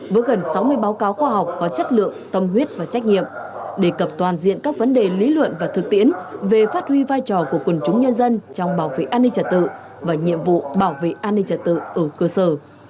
với gần sáu mươi báo cáo khoa học có chất lượng tâm huyết và trách nhiệm đề cập toàn diện các vấn đề lý luận và thực tiễn về phát huy vai trò của quần chúng nhân dân trong bảo vệ an ninh trật tự và nhiệm vụ bảo vệ an ninh trật tự ở cơ sở